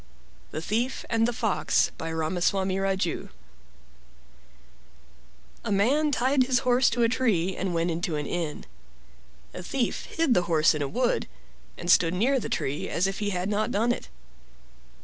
THE THIEF AND THE FOX By Ramaswarni Raju A man tied his horse to a tree and went into an inn. A Thief hid the horse in a wood, and stood near the tree as if he had not done it.